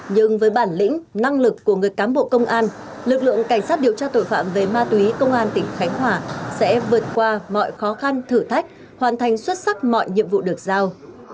nhưng với bản lĩnh năng lực của người cám bộ công an lực lượng cảnh sát điều tra tội phạm về ma túy công an tỉnh khánh hòa sẽ vượt qua mọi khó khăn thử thách hoàn thành xuất sắc mọi nhiệm vụ được giao